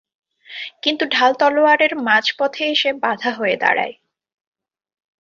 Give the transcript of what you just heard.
কিন্তু ঢাল তলোয়ারের মাঝপথে এসে বাধা হয়ে দাঁড়ায়।